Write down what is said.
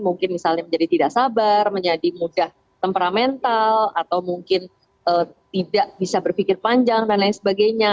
mungkin misalnya menjadi tidak sabar menjadi mudah temperamental atau mungkin tidak bisa berpikir panjang dan lain sebagainya